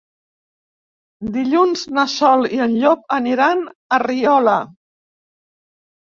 Dilluns na Sol i en Llop aniran a Riola.